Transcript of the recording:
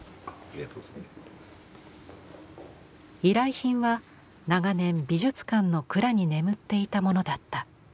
依頼品は長年美術館の蔵に眠っていたものだった。